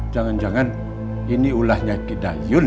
jangan jangan ini ulahnya kita yun ki